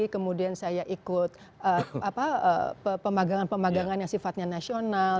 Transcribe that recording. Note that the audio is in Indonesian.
kemudian saya ikut pemagangan pemagangan yang sifatnya nasional